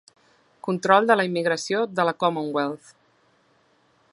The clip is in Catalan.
Control de la immigració de la Commonwealth.